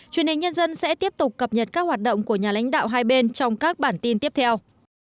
truyền hình nhân dân sẽ tiếp tục cập nhật các hoạt động của nhà lãnh đạo hai bên trong các bản tin tiếp theo